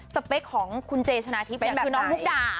เป๊กของคุณเจชนะทิพย์คือน้องมุกดา